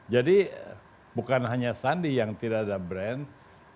jadi bukan hanya sandi yang tidak ada brand